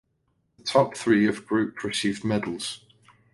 The top three of group received medals.